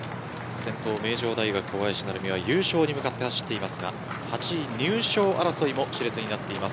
先頭名城大、小林は優勝に向かって走っていますが８位入賞争いもし烈になっています。